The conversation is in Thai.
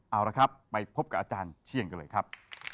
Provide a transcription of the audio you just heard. เอาละครับไปพบกับอาจารย์เชียงกันเลยครับ